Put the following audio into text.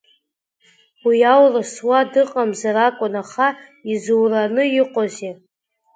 Уи аурыс уа дыҟамзар акәын, аха изуураны иҟоузеи?